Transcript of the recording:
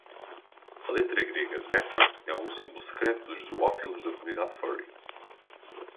A letra grega zeta é um símbolo secreto dos zoófilos da comunidade furry